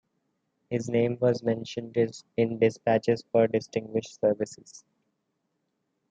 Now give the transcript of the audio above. His name was mentioned in dispatches for distinguished services.